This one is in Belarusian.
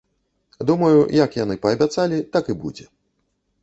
Думаю, як яны паабяцалі, так і будзе.